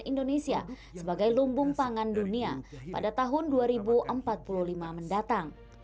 indonesia sebagai lumbung pangan dunia pada tahun dua ribu empat puluh lima mendatang